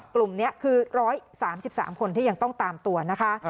กลุ่มนี้คือ๑๓๓คนที่ยังต้องตามตัวนะคะ